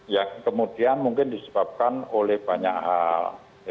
yang kemudian mungkin disebabkan oleh banyak hal